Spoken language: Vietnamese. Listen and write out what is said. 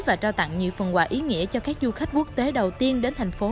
và trao tặng nhiều phần quà ý nghĩa cho các du khách quốc tế đầu tiên đến thành phố